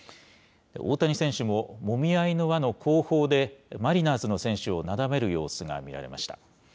大谷選手ももみあいの輪の後方で、マリナーズの選手をなだめる様子が見られました。